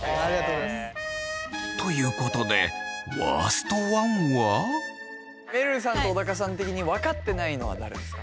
ということでめるるさんと小高さん的に分かってないのは誰ですか？